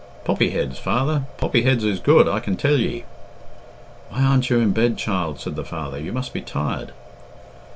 "Poppy heads, father! Poppy heads is good, I can tell ye." "Why arn't you in bed, child?" said the father. "You must be tired."